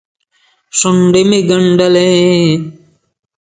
شونډې مې ګنډلې.